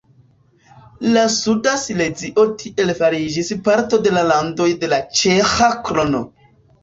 La suda Silezio tiel fariĝis parto de landoj de la ĉeĥa krono.